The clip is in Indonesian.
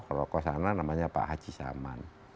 kalau kosana namanya pak haji saman